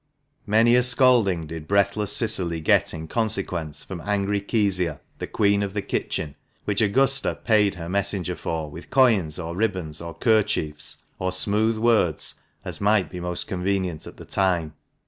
Many a scolding did breathless Cicily get in consequence from angry Kezia, the queen of the kitchen, which Augusta paid her messenger for with coins, or ribbons, or kerchiefs, or smooth words, as might be most convenient at the time.